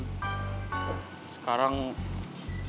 malah gue diusir sama yayang megan